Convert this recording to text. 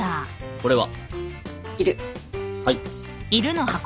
これは？